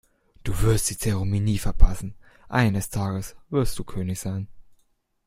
Du wirst die Zeremonie verpassen. Eines Tages wirst du König sein.